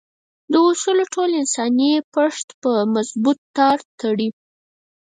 دا اصول ټول انساني پښت په مضبوط تار تړي.